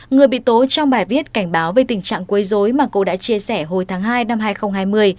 người bị tố trong bài viết cảnh báo về tình trạng quấy dối mà cô đã chia sẻ hồi tháng hai năm hai nghìn hai mươi